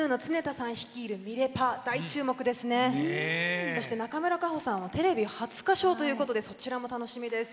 さらに中村佳穂さんはテレビ初歌唱ということでとっても楽しみです！